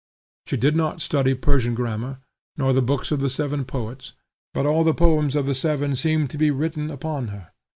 She did not study the Persian grammar, nor the books of the seven poets, but all the poems of the seven seemed to be written upon her.